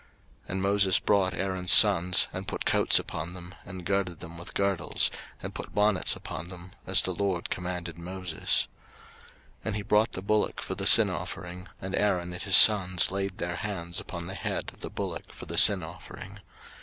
03:008:013 And Moses brought Aaron's sons, and put coats upon them, and girded them with girdles, and put bonnets upon them; as the LORD commanded Moses. 03:008:014 And he brought the bullock for the sin offering: and Aaron and his sons laid their hands upon the head of the bullock for the sin offering.